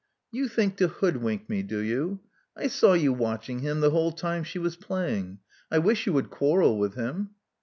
*'You think to hoodwink me, do you? I saw you watching him the whole time she was playing. I wish you would quarrel with him."